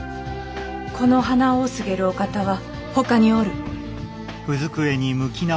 この鼻緒をすげるお方はほかにおる。